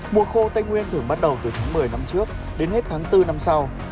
mùa khô tây nguyên thường bắt đầu từ tháng một mươi năm trước đến hết tháng bốn năm sau